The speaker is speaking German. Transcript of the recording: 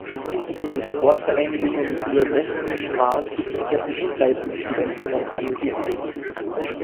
In den Sportvereinigungen "Burewestnik" waren zu sowjetischen Zeiten die Studenten organisiert.